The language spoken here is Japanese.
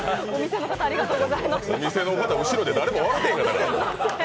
お店の方、後ろで誰も笑ってへん。